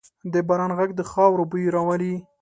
د باران ږغ د خاورو بوی راولي.